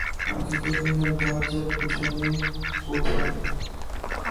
حقیقت میں ہر بار جب کچھ ہونے کو تھا۔